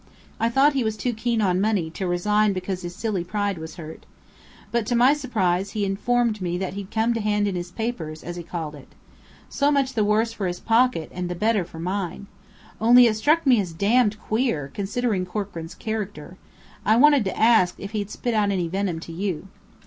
I thought he was too keen on money to resign because his silly pride was hurt. But to my surprise, he informed me that he'd come to 'hand in his papers,' as he called it. So much the worse for his pocket and the better for mine! Only it struck me as d d queer, considering Corkran's character. I wanted to ask if he'd spit out any venom to you."